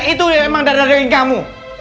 itu memang darah daging kamu